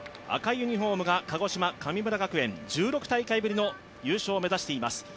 赤いユニフォームが鹿児島・神村学園１６大会ぶりの優勝を目指しています。